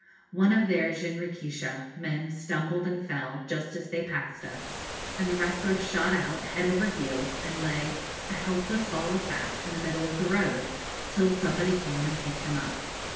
One of their jinrikisha men stumbled and fell, just as they passed us, and the wrestler shot out, head over heels, and lay, a helpless ball of fat, in the middle of the road, till somebody came and picked him up.